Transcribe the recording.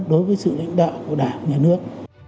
đối với sự lãnh đạo của đảng nhà nước